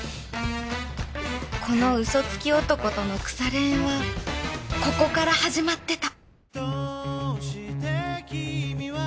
このウソつき男との腐れ縁はここから始まってた